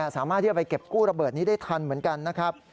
สามารถที่จะไปเก็บกู้ระเบิดนี้ได้ทันเหมือนกันนะครับ